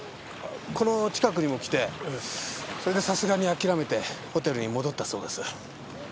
この近くにも来てそれでさすがに諦めてホテルに戻ったそうです。